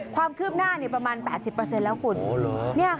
ความคืบหน้าประมาณ๘๐แล้วคุณ